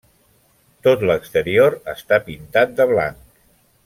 Tot l'exterior està pintat de blanc.